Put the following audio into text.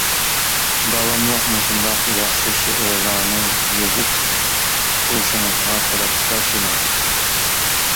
داۋاملىق مۇشۇنداق ياخشى شېئىرلارنى يېزىپ تۇرۇشىڭىزغا تىلەكداشمەن.